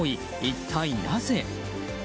一体なぜ？